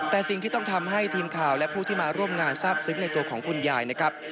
แต่สิ่งที่ต้องทำให้ทีมข่าวและผู้ที่มาร่วมงานทราบซึ้งในตัวของคุณยายนะครับ